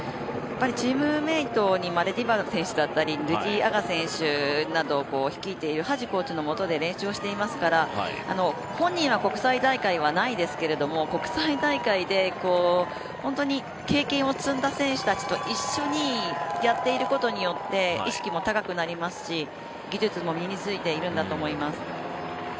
チームメートにディババ選手だったりルディー選手を率いているコーチのもとで練習をしていますから、本人は国際大会はないですけれども国際大会で本当に経験を積んだ選手たちと一緒にやっていることによって意識も高くなりますし技術も身についているんだと思います。